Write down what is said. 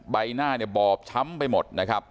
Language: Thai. ใบหน้าเนี่ยบอบช้ำไปหมดนะครับ